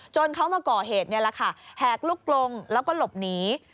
จนเขามาก่อเหตุนี่แหกลุกลงแล้วก็หลบหนี